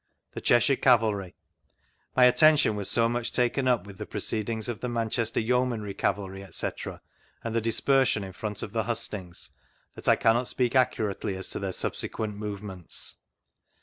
The Cheshire Cavalry; my attention was so much taken up with the proceedings of the Man chester Yeomanry Cavalry, etc., and the dispersion in front of the hustings, that I cannot speak accurately as to their subsequent movements.